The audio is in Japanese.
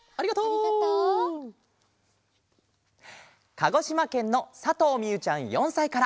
かごしまけんのさとうみゆちゃん４さいから。